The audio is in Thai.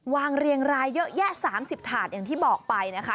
เรียงรายเยอะแยะ๓๐ถาดอย่างที่บอกไปนะคะ